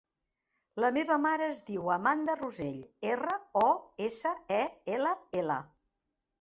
La meva mare es diu Amanda Rosell: erra, o, essa, e, ela, ela.